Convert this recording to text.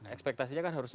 ekspektasinya kan harusnya